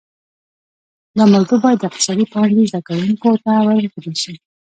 دا موضوع باید د اقتصاد پوهنځي زده کونکو ته ورښودل شي